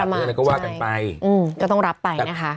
มินประมาทใช่ก็ว่ากันไปอืมก็ต้องรับไปนะคะ